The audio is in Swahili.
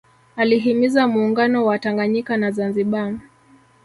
Alihimiza Muungano wa Tanganyika na Zanzibar